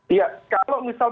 iya kalau misal